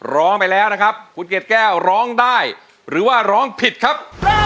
ร้องไปแล้วนะครับคุณเกดแก้วร้องได้หรือว่าร้องผิดครับ